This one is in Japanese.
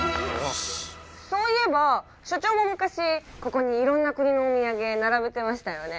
そういえば所長も昔ここに色んな国のお土産並べてましたよね？